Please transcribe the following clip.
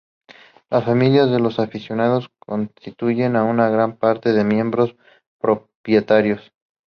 Las familias de los aficionados constituyen una gran parte de miembros propietarios.